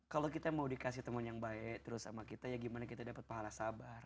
kalau kita mau dikasih teman yang baik terus sama kita ya gimana kita dapat pahala sabar